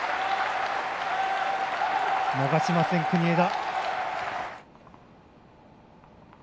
逃しません、国枝。